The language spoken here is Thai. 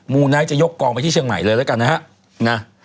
ูไนท์จะยกกองไปที่เชียงใหม่เลยแล้วกันนะฮะ